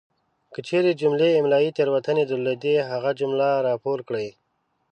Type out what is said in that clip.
کچیري جملې املائي تیروتنې درلودې هغه جمله راپور کړئ!